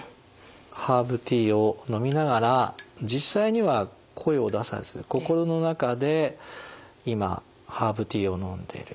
ハーブティーを飲みながら実際には声を出さず心の中で「今ハーブティーを飲んでる。